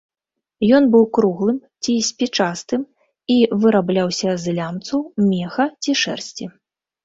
Ён быў круглым ці спічастым і вырабляўся з лямцу, меха ці шэрсці.